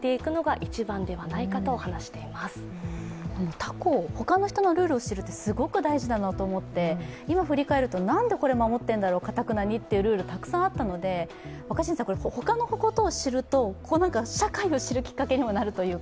他校、他の人のルールを知るってすごく大事で今振り返ると、何でこれをかたくなに守っているんだろうというルール、たくさんあったので、他のことを知ると社会を知るきっかけにもなるというか。